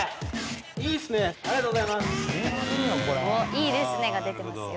・「いいですね」が出てますよ。